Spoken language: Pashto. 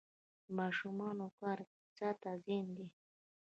د ماشومانو کار اقتصاد ته زیان دی؟